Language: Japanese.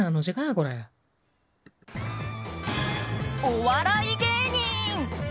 お笑い芸人。